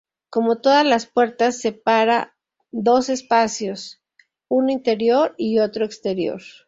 Como todas las puertas, separa dos espacios, uno interior y otro exterior.